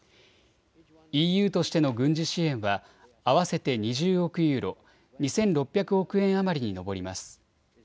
ＥＵとしての軍事支援は合わせて２０億ユーロ２６００億円余りに上ります。